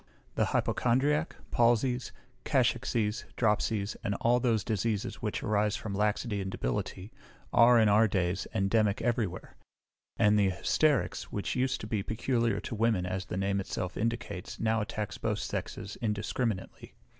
The hypochondriac, palsies, cachexies, dropsies, and all those diseases which arise from laxity and debility, are, in our days, endemic every where; and the hysterics, which used to be peculiar to the women, as the name itself indicates, now attacks both sexes indiscriminately.